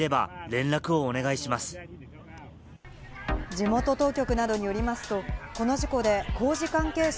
地元当局などによりますと、この事故で工事関係者